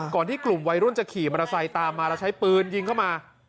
ก่อนที่กลุ่มวัยรุ่นจะขี่มอเตอร์ไซค์ตามมาแล้วใช้ปืนยิงเข้ามา